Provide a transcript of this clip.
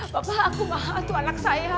bapak aku mahal tuh anak saya